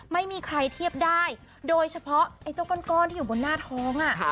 ไม่มีใครเทียบได้โดยเฉพาะไอ้เจ้าก้อนที่อยู่บนหน้าท้อง